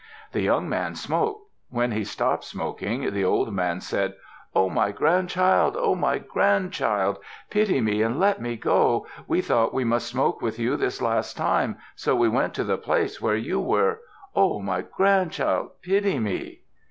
The young man smoked. When he stopped smoking, the old man said, "Oh! My grandchild! Oh! My grandchild! Pity me, and let me go. We thought we must smoke with you this last time, so we went to the place where you were. Oh! My grandchild, pity me."